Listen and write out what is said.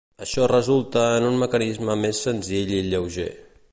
Això resulta en un mecanisme més senzill i lleuger.